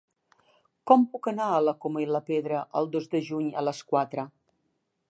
Com puc anar a la Coma i la Pedra el dos de juny a les quatre?